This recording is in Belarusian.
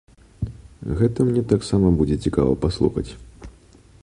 Гэта мне таксама будзе цікава паслухаць.